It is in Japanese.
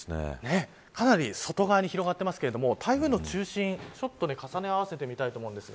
かなり外側に広がっていますが台風の中心、ちょっと重ね合わせてみたいと思います。